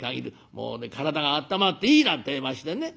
もうね体があったまっていいなんてえ言いましてね」。